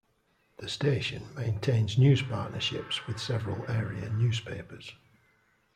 The station maintains news partnerships with several area newspapers.